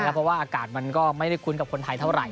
เพราะว่าอากาศมันก็ไม่ได้คุ้นกับคนไทยเท่าไห